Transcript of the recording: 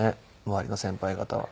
周りの先輩方は。